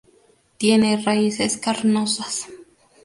Tiene raíces carnosas.